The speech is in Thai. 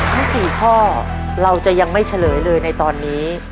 ทั้ง๔ข้อเราจะยังไม่เฉลยเลยในตอนนี้